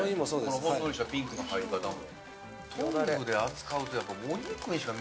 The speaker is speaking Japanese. ほんのりしたピンクの入り方も。